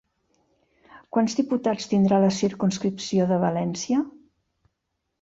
Quants diputats tindrà la circumscripció de València?